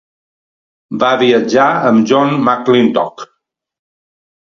Va viatjar amb John McClintock.